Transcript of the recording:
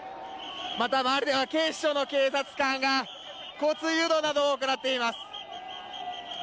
また、周りでは警視庁の警察官が交通誘導などを行っています。